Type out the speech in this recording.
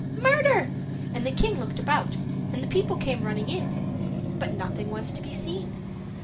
murder!" and the king looked about, and the people came running in; but nothing was to be seen.